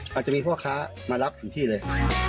อาจจะมีพ่อค้ามารับถึงที่เลย